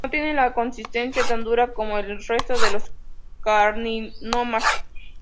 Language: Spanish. No tienen la consistencia tan dura como el resto de los carcinomas.